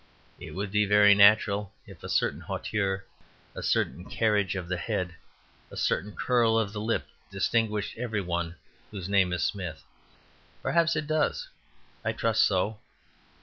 It would be very natural if a certain hauteur, a certain carriage of the head, a certain curl of the lip, distinguished every one whose name is Smith. Perhaps it does; I trust so.